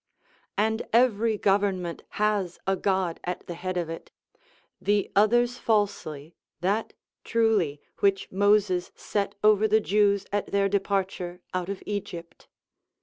And every government has a god at the head of it; the others falsely, that truly, which Moses set over the Jews at their departure out of Egypt.